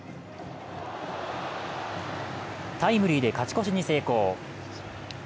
タイムリーで勝ち越しに成功。